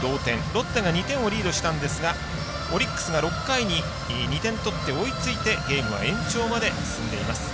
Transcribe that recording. ロッテが２点をリードしたんですがオリックスが６回に２点取って追いついてゲームは延長に進んでいます。